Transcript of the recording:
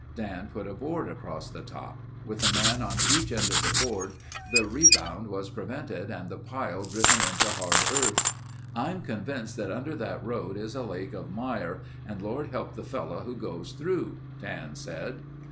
Dan put a board across the top. With a man on each end of the board, the rebound was prevented and the pile driven into hard earth. "I'm convinced that under that road is a lake of mire and Lord help the fellow who goes through," Dan said.